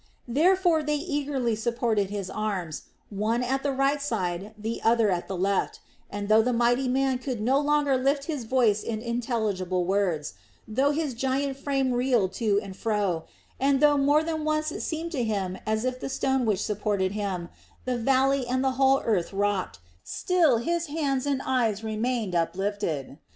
Therefore they eagerly supported his arms, one at the right side, the other at the left, and though the mighty man could no longer lift his voice in intelligible words, though his giant frame reeled to and fro, and though more than once it seemed to him as if the stone which supported him, the valley and the whole earth rocked, still his hands and eyes remained uplifted.